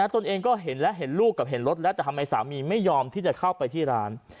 ตนเองก็เห็นและเห็นลูกกับเห็นรถแล้วแต่ทำไมสามีไม่ยอมที่จะเข้าไปที่ร้าน